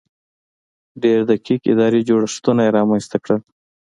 ډېر دقیق اداري جوړښتونه یې رامنځته کړل.